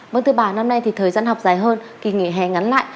vâng thưa bà năm nay thì thời gian học dài hơn kỳ nghỉ hè ngắn lại